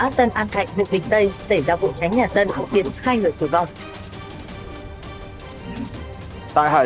xảy ra vụ cháy nhà dân